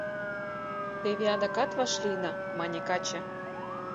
— Теве адакат вашлийна, — мане каче.